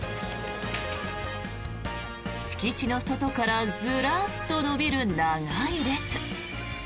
敷地の外からずらっと延びる長い列。